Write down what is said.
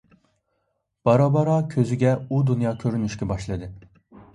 بارا - بارا كۆزىگە ئۇ دۇنيا كۆرۈنۈشكە باشلىدى.